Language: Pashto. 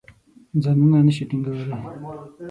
ځانونه نه شي ټینګولای.